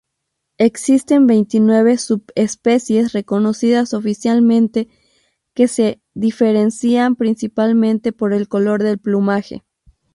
Existen veintinueve subespecies reconocidas oficialmente, que se diferencian principalmente por el color del plumaje.